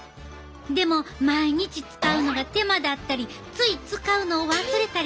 でも毎日使うのが手間だったりつい使うのを忘れたりしがちなんよね。